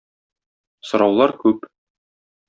Сораулар күп.